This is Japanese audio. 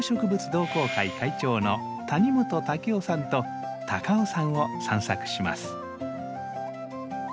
同好会会長の谷本夫さんと高尾山を散策します。